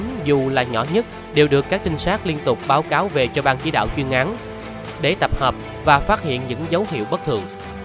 những tin tức diễn biến dù là nhỏ nhất đều được các trinh sát liên tục báo cáo về cho bang chỉ đạo chuyên án để tập hợp và phát hiện những dấu hiệu bất thường